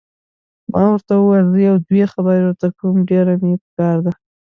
ما ورته وویل: زه یو دوې خبرې ورته کوم، ډېره مې پکار ده.